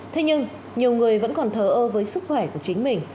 thế nhưng nhiều người vẫn còn thờ ơ với sức khỏe của chính mình